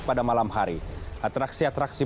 pada malam hari atraksi atraksi